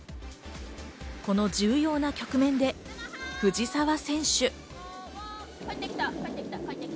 この重要な局面で藤澤選手。